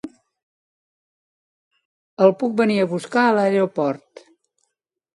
El puc venir a buscar a l'aeroport?